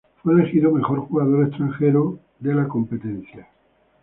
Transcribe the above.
Fue elegido mejor jugador extranjero de la competición.